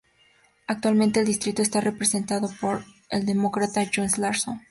Actualmente el distrito está representado por el Demócrata John Larson.